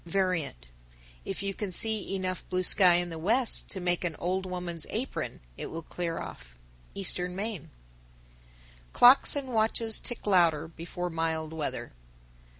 _ 968. Variant: If you can see enough blue sky in the west to make an old woman's apron, it will clear off. Eastern Maine. 969. Clocks and watches tick louder before mild weather.